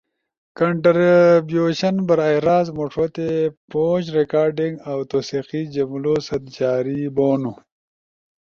کنٹربیوشن براہ راست مݜوتے پوش ریکارڈنگ اؤ توثیقی جملؤ ست جاری بونو۔